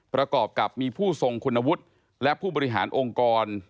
ประกอบกับมีผู้ทรงคุณวุฒิและผู้บริหารองค์กร